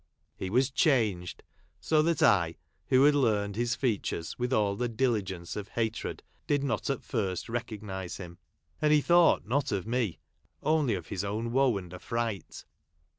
He was changed ; so that I, who had learned his features with all the diligence of hatred, did not at first recognise .him ; and he thought not of me, only of his own woe and: affright.